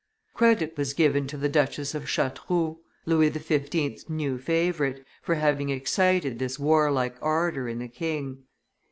Credit was given to the Duchess of Chateauroux, Louis XV.'s new favorite, for having excited this warlike ardor in the king.